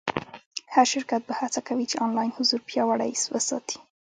هر شرکت به هڅه کوي چې آنلاین حضور پیاوړی وساتي.